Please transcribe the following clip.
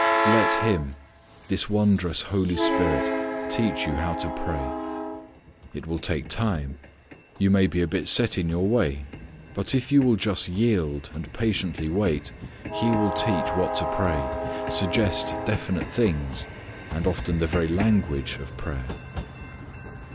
Let Him, this wondrous Holy Spirit teach you how to pray. It will take time. You may be a bit set in your way, but if you will just yield and patiently wait, He will teach what to pray, suggest definite things, and often the very language of prayer.